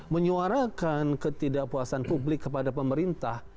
menyuarakan ketidakpuasan publik kepada pemerintah